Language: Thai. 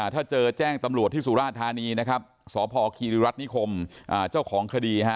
ถ้าเจอแจ้งตำรวจที่สุราธานีนะครับสพคีริรัฐนิคมเจ้าของคดี